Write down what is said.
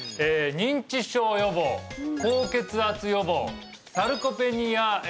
認知症予防高血圧予防サルコペニアえ